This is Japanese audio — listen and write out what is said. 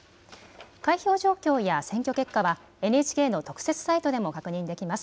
開票状況や選挙結果はＮＨＫの特設サイトでも確認できます。